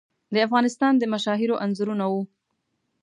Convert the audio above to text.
د افغانستان د مشاهیرو انځورونه وو.